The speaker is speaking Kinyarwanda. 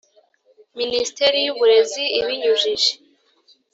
Minisiteri y uburezi ibinyujije